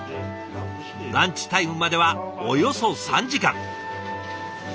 ランチタイムまではおよそ３時間。